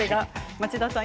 町田さん